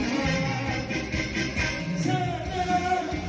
ขอบคุณทุกคน